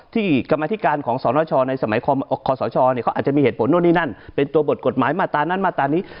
กรรมธิการของสนชในสมัยคอสชเขาอาจจะมีเหตุผลนู่นนี่นั่นเป็นตัวบทกฎหมายมาตรานั้นมาตรานี้